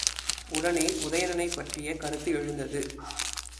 உடனே உதயணனைப் பற்றிய கருத்து எழுந்தது.